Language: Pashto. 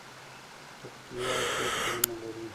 پکتیا جګ غرونه لري